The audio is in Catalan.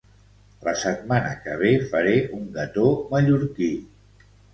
La setmana que ve faré un gató mallorquí